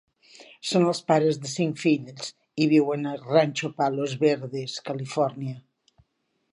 Són els pares de cinc fills i viuen a Rancho Palos Verdes, California.